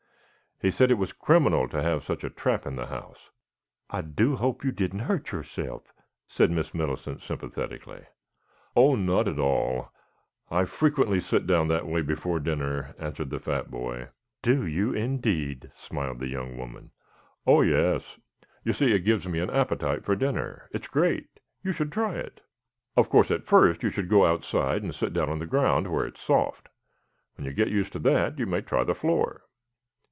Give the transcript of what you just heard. He said it was criminal to have such a trap in the house. "I do hope you didn't hurt yourself," said Miss Millicent sympathetically. "Oh, not at all. I frequently sit down that way before dinner," answered the fat boy. "Do you, indeed?" smiled the young woman. "Oh, yes. You see it gives me an appetite for dinner. It's great. You should try it. Of course at first you should go outside and sit down on the ground where it's soft. When you get used to that you may try the floor."